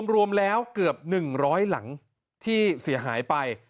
รวมแล้วเกือบ๑๐๐หลังที่เสียหายไป